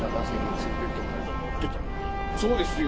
そうですよ。